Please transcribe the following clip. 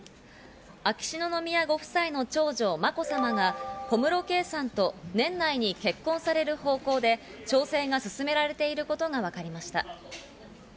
秋篠宮ご夫妻の長女・まこさまが小室圭さんと年内に結婚される方向で調整が進められていることがわかりました。